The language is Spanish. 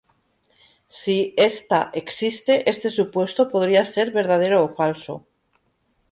Si esta existe, este supuesto podría ser verdadero o falso.